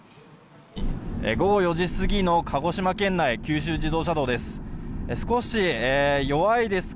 午後４時過ぎの鹿児島県内九州自動車道です。